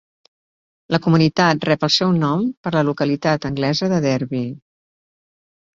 La comunitat rep el seu nom per la localitat anglesa de Derby.